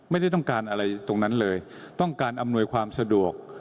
ไม่ได้ต้องการอะไรตรงนั้นเลยต้องการอำนวยความสะดวก